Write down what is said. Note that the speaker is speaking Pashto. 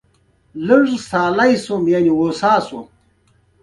د میرمنو کار د ټولنې سمون اړین دی.